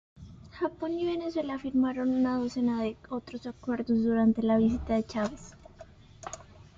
Japón y Venezuela firmaron una docena de otros acuerdos durante la visita de Chávez.